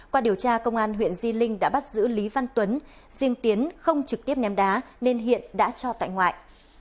qua điều tra công an huyện di linh đã bắt giữ lý văn tuấn riêng tiến không trực tiếp ném đá nên hiện đã cho tại ngoại